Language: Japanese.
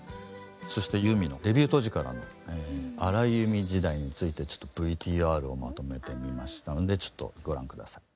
そしてユーミンのデビュー当時からの荒井由実時代についてちょっとＶＴＲをまとめてみましたのでちょっとご覧下さい。